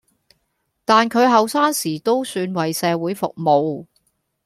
但佢後生時都算為社會服務